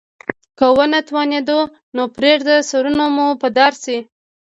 که ونه توانیدو نو پریږده سرونه مو په دار شي.